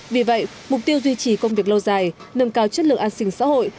vì vậy mục tiêu duy trì công việc lâu dài nâng cao chất lượng an sinh xã hội